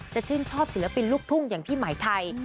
ชื่นชอบศิลปินลูกทุ่งอย่างพี่หมายไทย